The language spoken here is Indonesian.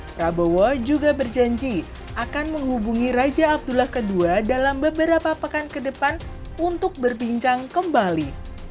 prabowo juga berjanji akan menghubungi raja abdullah ii dalam beberapa pekan ke depan untuk berbincang kembali